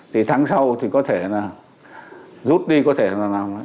thì tháng sau thì có thể là rút đi có thể là làm